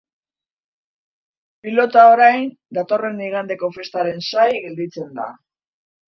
Pilota orain datorren igandeko festaren zai gelditzen da.